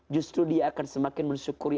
justru dia akan semakin mensyukuri